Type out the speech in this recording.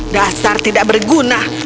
dasar tidak berguna